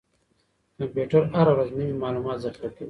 کمپیوټر هره ورځ نوي معلومات ذخیره کوي.